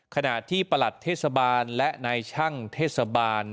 ขณะที่ประหลัดเทศบาลและนายช่างเทศบาล